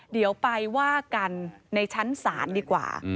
เดี๋ยวไปว่ากันในชั้นศาลดีกว่า